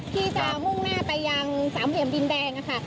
ที่จะมุ่งหน้าไปยังสามเหลี่ยมดินแดงนะคะ